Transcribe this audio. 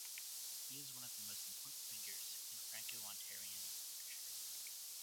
He is one of the most important figures in Franco-Ontarian literature.